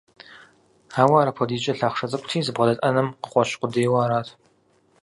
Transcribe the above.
Ауэ ар апхуэдизкӏэ лъахъшэ цӏыкӏути, зыбгъэдэт ӏэнэм къыкъуэщ къудейуэ арат.